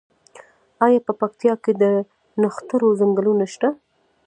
آیا په پکتیا کې د نښترو ځنګلونه شته؟